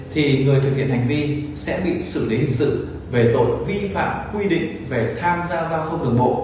thì người thực hiện hành vi sẽ bị xử lý hình sự về tội vi phạm quy định về tham gia giao thông đường bộ